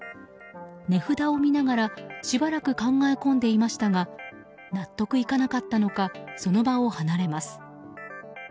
値札を見ながらしばらく考え込んでいましたが納得いかなかったのかその場を離れます。